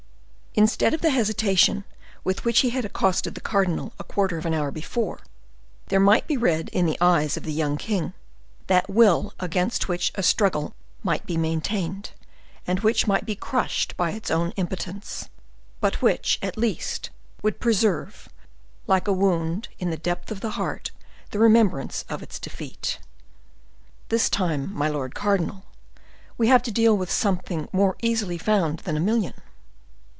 Instead of the hesitation with which he had accosted the cardinal a quarter of an hour before, there might be read in the eyes of the young king that will against which a struggle might be maintained, and which might be crushed by its own impotence, but which, at least, would preserve, like a wound in the depth of the heart, the remembrance of its defeat. "This time, my lord cardinal, we have to deal with something more easily found than a million."